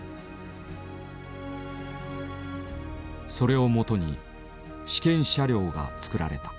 それをもとに試験車両が造られた。